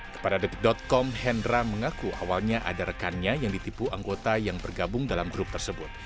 kepada detik com hendra mengaku awalnya ada rekannya yang ditipu anggota yang bergabung dalam grup tersebut